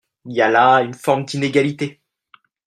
Il y a là une forme d’inégalité.